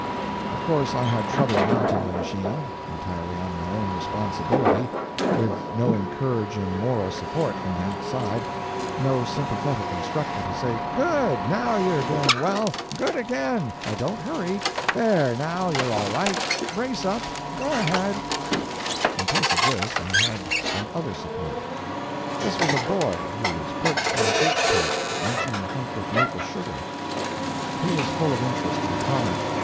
Of course I had trouble mounting the machine, entirely on my own responsibility, with no encouraging moral support from the outside, no sympathetic instructor to say, "Good! now you're doing well—good again—don't hurry—there, now, you're all right—brace up, go ahead." In place of this I had some other support. This was a boy, who was perched on a gate post munching a hunk of maple sugar. He was full of interest and comment.